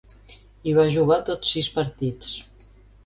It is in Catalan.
Hi va jugar tots sis partits.